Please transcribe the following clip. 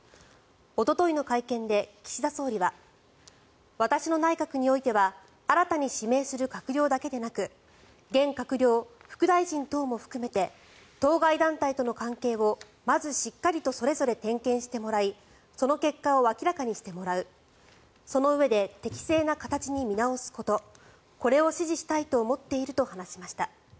おとといの会見で岸田総理は私の内閣においては新たに指名する閣僚だけでなく現閣僚、副大臣等も含めて当該団体との関係をまずしっかりとそれぞれ点検してもらいその結果を明らかにしてもらうそのうえで適正な形に見直すことこれを指示したいと思っていると話しました。